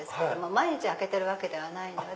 毎日開けてるわけではないので。